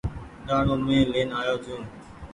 ڏآڻو مين لين آيو ڇون ۔